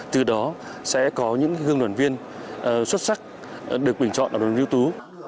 từ đó sẽ có những hương đoàn viên xuất sắc được bình chọn ở đoàn viên ưu tú